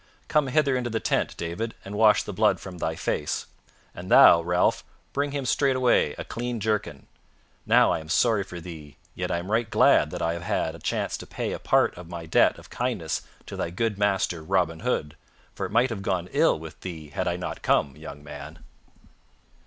Come hither into the tent, David, and wash the blood from thy face. And thou, Ralph, bring him straightway a clean jerkin. Now I am sorry for thee, yet I am right glad that I have had a chance to pay a part of my debt of kindness to thy good master Robin Hood, for it might have gone ill with thee had I not come, young man."